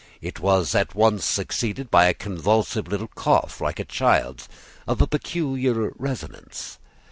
It was at once succeeded by a convulsive little cough like a child's, of a peculiar resonance.